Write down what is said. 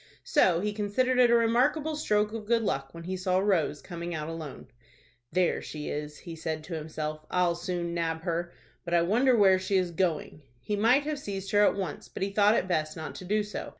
So he considered it a remarkable stroke of good luck when he saw Rose coming out alone. "There she is," he said to himself. "I'll soon nab her. But I wonder where she is going." He might have seized her at once, but he thought it best not to do so.